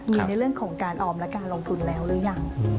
มีในเรื่องของการออมและการลงทุนแล้วหรือยัง